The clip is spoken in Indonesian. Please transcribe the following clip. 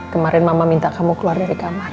kemarin mama minta kamu keluar dari kamar